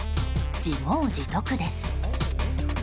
自業自得です。